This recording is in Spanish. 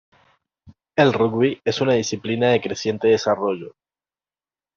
El rugby es una disciplina de creciente desarrollo.